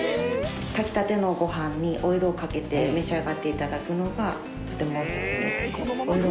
炊きたてのご飯にオイルをかけて召し上がって頂くのがとてもおすすめです。